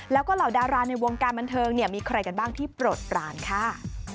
แล้วก็เหล่าดาราในวงการบันเทิงเนี่ยมีใครกันบ้างที่โปรดปรานค่ะ